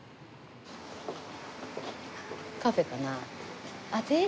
カフェかな？